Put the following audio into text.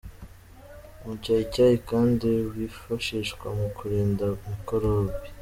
Umucyayicyayi kandi wifashishwa mu kurinda mikorobi.